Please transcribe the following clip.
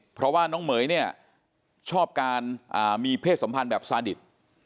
เพราะว่าน้องเหม๋ยเนี่ยชอบการมีเพศสัมพันธ์แบบซาดิต